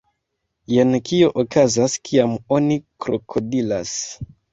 Jen kio okazas, kiam oni krokodilas